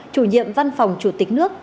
chủ nhiệm văn phòng chủ tịch nước